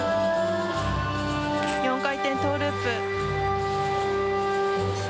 ４回転トウループ。